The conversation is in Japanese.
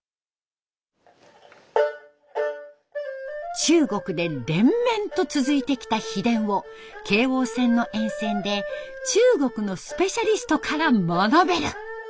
中国で連綿と続いてきた秘伝を京王線の沿線で中国のスペシャリストから学べる！